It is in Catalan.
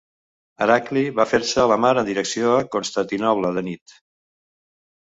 Heracli va fer-se a la mar en direcció a Constantinoble de nit.